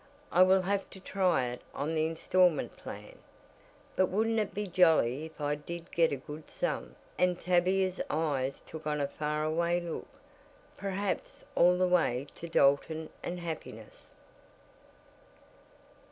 I will have to try it on the installment plan. But wouldn't it be jolly if I did get a good sum," and Tavia's eyes took on a far away look perhaps all the way to Dalton and happiness.